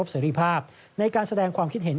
ความรับเสรี่ภาพในการแสดงความคิดเห็น